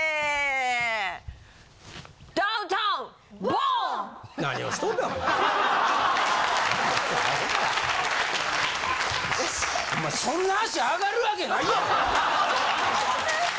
お前そんな足上がるわけないやろ！